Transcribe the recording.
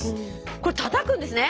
これたたくんですね。